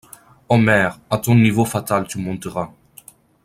Ô mer, à ton niveau fatal tu monteras.